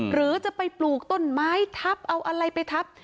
หรือจะไปปลูกต้นไม้ทับเอาอะไรไปทับ